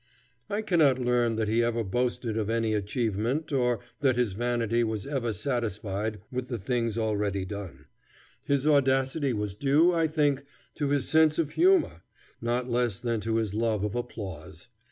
I cannot learn that he ever boasted of any achievement, or that his vanity was ever satisfied with the things already done. His audacity was due, I think, to his sense of humor, not less than to his love of applause.